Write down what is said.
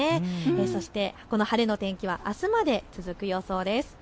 そしてこの晴れの天気はあすまで続く予想です。